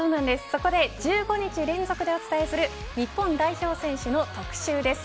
そこで１５日連続でお伝えする日本代表選手の特集です。